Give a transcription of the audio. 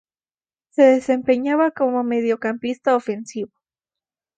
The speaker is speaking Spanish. Se desempeñaba como mediocampista ofensivo.